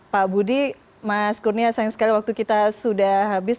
pak budi mas kurnia sayang sekali waktu kita sudah habis